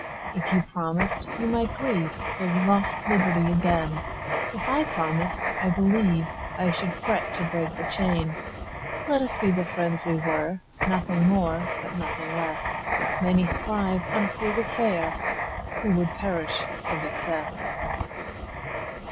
If you promised, you might grieveFor lost liberty again:If I promised, I believeI should fret to break the chain. Let us be the friends we were, Nothing more but nothing less:Many thrive on frugal fareWho would perish of excess.